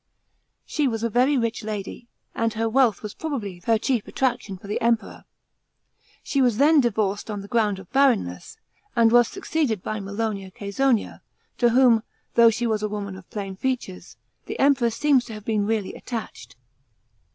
She was a very rich lady, and her wealth was probably her chief attraction for the Emperor. She was then divorced on the ground of barrenness, and was succeeded by Milonia Csesonia, to whom, though she was a woman of plain features, the Emperor seems to have been really attached.